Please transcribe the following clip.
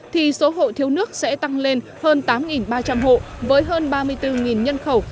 thì số hộ thiếu nước sẽ tăng lên hơn tám ba trăm linh hộ với hơn ba mươi bốn nhân khẩu